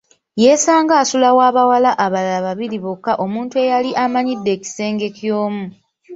Yeesanga asula wa bawala abalala babiri bokka omuntu eyali amanyidde ekisenge ky’omu.